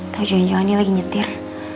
tau jangan jangan dia lagi nyetir